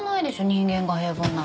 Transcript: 人間が平凡なんだから。